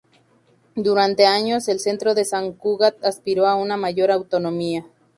Durante años, el centro de San Cugat aspiró a una mayor autonomía.